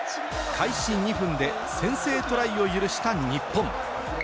開始２分で先制トライを許した日本。